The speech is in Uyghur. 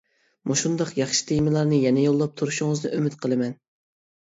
مۇشۇنداق ياخشى تېمىلارنى يەنە يوللاپ تۇرۇشىڭىزنى ئۈمىد قىلىمەن.